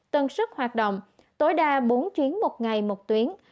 tần sức hoạt động tối đa bốn chuyến một ngày một tuyến